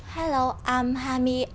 và đó là một